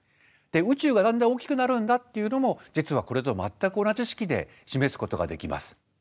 宇宙がだんだん大きくなるんだっていうのも実はこれと全く同じ式で示すことができます。